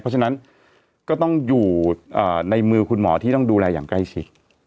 เพราะฉะนั้นก็ต้องอยู่ในมือคุณหมอที่ต้องดูแลอย่างใกล้ชิด